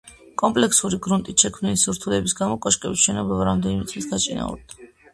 კომპლექსური გრუნტით შექმნილი სირთულეების გამო კოშკების მშენებლობა რამდენიმე წლით გაჭიანურდა.